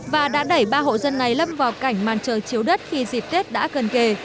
và đã đẩy ba hộ dân này lâm vào cảnh màn trời chiếu đất khi dịp tết đã gần kề